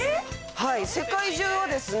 はい世界中はですね